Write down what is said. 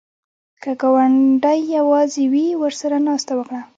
که ګاونډی یواځې وي، ورسره ناسته وکړه